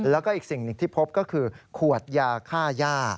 แล้วก็อีกสิ่งหนึ่งที่พบก็คือขวดยาฆ่าย่า